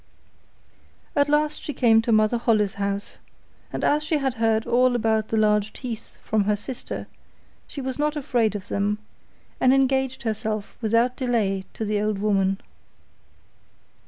At last she came to Mother Holle's house, and as she had heard all about the large teeth from her sister, she was not afraid of them, and engaged herself without delay to the old woman.